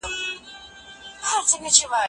که استاد نه وي څېړنه به نیمګړي پاته سي.